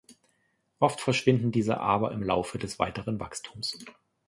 Oft verschwinden diese aber im Laufe des weiteren Wachstums.